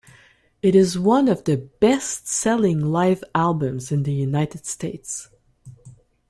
It is one of the best-selling live albums in the United States.